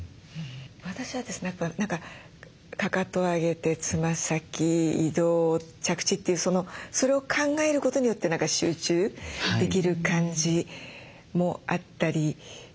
私はですね何かかかと上げてつま先移動着地というそのそれを考えることによって何か集中できる感じもあったりして。